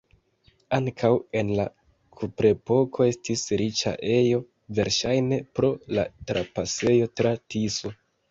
Ankaŭ en la kuprepoko estis riĉa ejo, verŝajne pro la trapasejo tra Tiso.